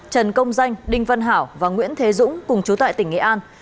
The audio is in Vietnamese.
trần công danh đinh văn hảo và nguyễn thế dũng cùng chú tại tỉnh nghệ an